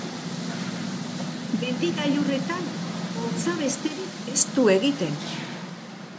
Mendi gailurretan hotza besterik ez du egiten.